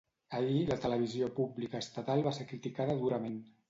Ahir, la televisió pública estatal va ser criticada durament.